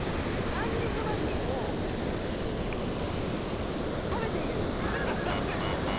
ランニングマシンを食べる？